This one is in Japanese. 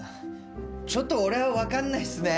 ちょっと俺はわかんないっすね。